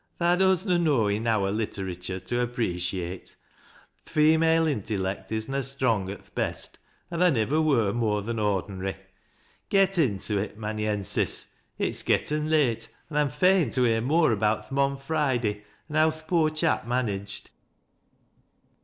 " Tha does na know enow o' litteiytoor to appreciate. Th' female intyloct is na strong at th' best, an' tha nivver wur more than ordinary. Get into it, Mauny ensis. It's getten late, and I'm fain tc hear more about th' mon Friday, an' how th' pooi chap managed."